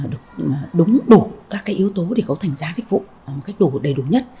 được đúng đủ các cái yếu tố để cấu thành giá dịch vụ một cách đủ đầy đủ nhất